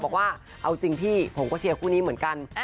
บอกว่าเอาจริงพี่ผมก็เชียร์คู่นี้เหมือนกัน